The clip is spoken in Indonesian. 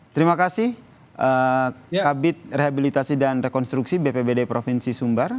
terima kasih kabit rehabilitasi dan rekonstruksi bpbd provinsi sumbar